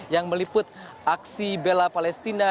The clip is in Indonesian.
yang meliput aksi bela palestina